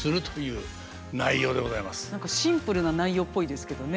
何かシンプルな内容っぽいですけどね。